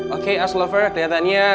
oke axel lover kelihatannya